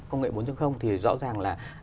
công nghệ bốn thì rõ ràng là